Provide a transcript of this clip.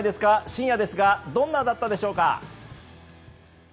深夜ですがどんなだったでしょうか。